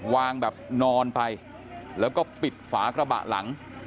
วางแบบนอนไปแล้วก็ปิดฝากระบะหลัง